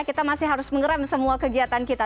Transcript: kita masih harus mengeram semua kegiatan kita